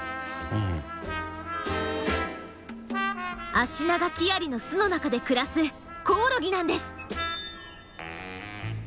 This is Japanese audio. アシナガキアリの巣の中で暮らすコオロギなんです。